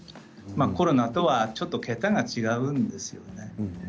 コロナとはちょっと結果が違うんですね。